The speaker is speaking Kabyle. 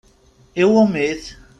Iwwumi-t?